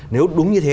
nếu đúng như thế